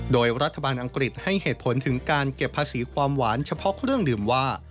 โดยรัฐบาลอังกฤษให้เหตุผลถึงการเก็บภาษีความหวานเฉพาะเครื่องดื่มว่า